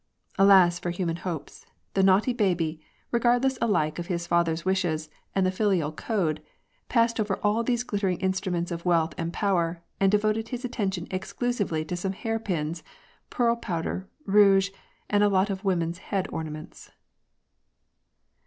Alas for human hopes ! The naughty baby, regardless alike of his father's wishes and the filial 'code, passed over all these glit tering instruments of wealth and power, and devoted his attention exclusively to some hair pins, pearl powder, rouge, and a lot of women's head ornaments.